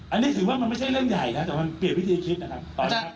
อันนี้ถือว่ามันไม่ใช่เรื่องใหญ่นะแต่มันเปลี่ยนวิธีคิดนะครับ